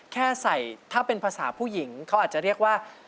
แค่ใส่ถ้าเป็นภาษาผู้หญิงเขาอาจจะเรียกว่า